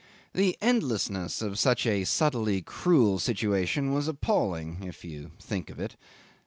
The endlessness of such a subtly cruel situation was appalling if you think of it.